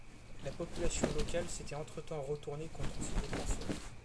La population locale s'était entre-temps retournée contre ses défenseurs.